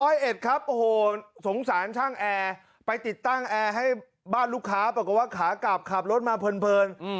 เอ็ดครับโอ้โหสงสารช่างแอร์ไปติดตั้งแอร์ให้บ้านลูกค้าปรากฏว่าขากลับขับรถมาเพลิน